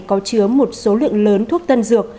có chứa một số lượng lớn thuốc tân dược